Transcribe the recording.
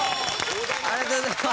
ありがとうございます！